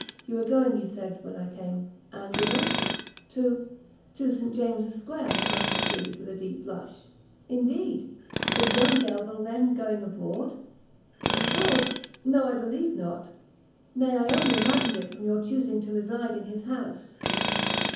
You were going, you said, when I came, and whither?" "To to St James's square," answered she, with a deep blush. "Indeed! is young Delvile, then, going abroad?" "Abroad? no, I believe not." "Nay, I only imagined it from your chusing to reside in his house."